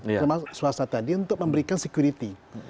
termasuk swasta tadi untuk memberikan security